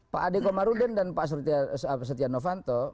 pak adiko maruden dan pak setia novanto